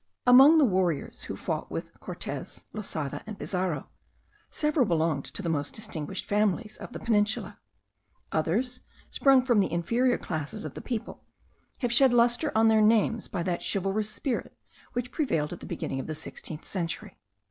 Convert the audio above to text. Among the warriors who fought with Cortez, Losada, and Pizarro, several belonged to the most distinguished families of the Peninsula; others, sprung from the inferior classes of the people, have shed lustre on their names, by that chivalrous spirit which prevailed at the beginning of the sixteenth century.